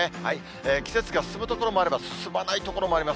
季節が進む所もあれば、進まない所もあります。